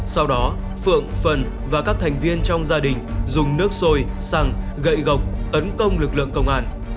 sau đó phượng phần và các thành viên trong gia đình dùng nước sôi xăng gậy gọc ấn công lực lượng công an